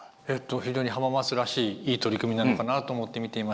非常に浜松らしいいい取り組みなのかなと思って見ていました。